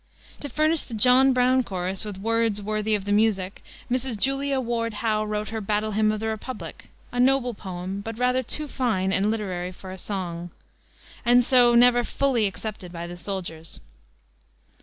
To furnish the John Brown chorus with words worthy of the music, Mrs. Julia Ward Howe wrote her Battle Hymn of the Republic, a noble poem, but rather too fine and literary for a song, and so never fully accepted by the soldiers.